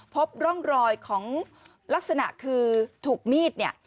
พบร่องรอยของลักษณะคือถูกมีดเนี่ย